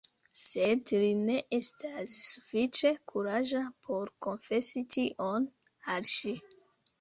Sed li ne estas sufiĉe kuraĝa por konfesi tion al ŝi.